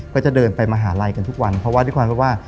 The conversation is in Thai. ก็จะเดินไปมหาลัยกันทุกวันเพราะว่าด้วยความที่ว่า